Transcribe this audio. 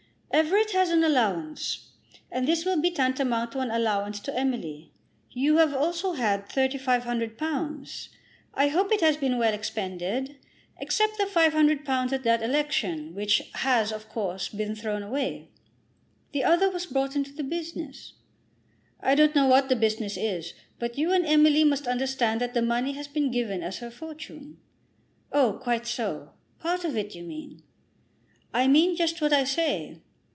"Everett has an allowance, and this will be tantamount to an allowance to Emily. You have also had £3500. I hope it has been well expended; except the £500 at that election, which has, of course, been thrown away." "The other was brought into the business." "I don't know what the business is. But you and Emily must understand that the money has been given as her fortune." "Oh, quite so; part of it, you mean." "I mean just what I say."